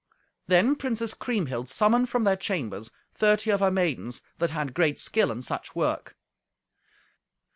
Then Princess Kriemhild summoned from their chambers thirty of her maidens that had great skill in such work.